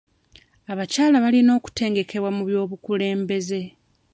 Abakyala balina okutendekebwa mu by'obukulembeze.